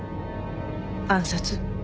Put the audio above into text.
暗殺？